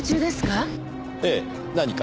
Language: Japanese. ええ。何か？